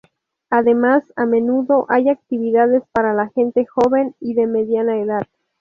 Además, a menudo, hay actividades para la gente joven i de mediana edad.